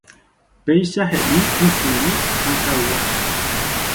Péicha he'i Ysyry Sakãygua.